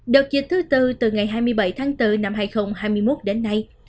đợt dịch thứ tư từ ngày hai mươi bảy tháng bốn năm hai nghìn hai mươi một đến nay